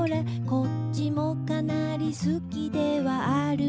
「こっちもかなり好きではあるのよね」